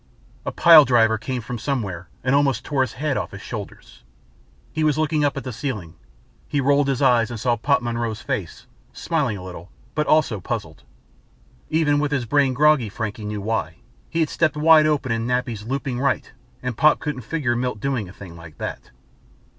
A pile driver came from somewhere and almost tore his head off his shoulders ... He was looking up at the ceiling. He rolled his eyes and saw Pop Monroe's face smiling a little, but also puzzled. Even with his brain groggy, Frankie knew why. He'd stepped wide open in Nappy's looping right and Pop couldn't figure Milt doing a thing like that.